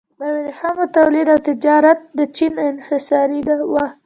د ورېښمو تولید او تجارت د چین انحصاري و.